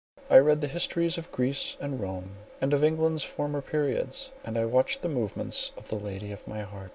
I read the histories of Greece and Rome, and of England's former periods, and I watched the movements of the lady of my heart.